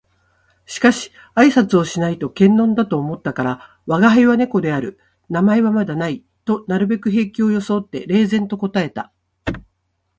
しかし挨拶をしないと険呑だと思ったから「吾輩は猫である。名前はまだない」となるべく平気を装って冷然と答えた